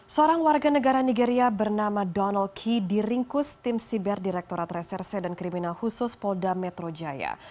seorang warga negara nigeria bernama donald key diringkus tim siber direkturat reserse dan kriminal khusus polda metro jaya